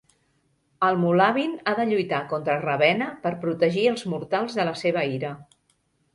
El "Mulawin" ha de lluitar contra "Ravena" per protegir els mortals de la seva ira.